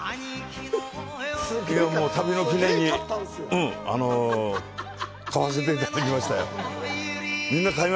旅の記念に買わせていただきましたよ。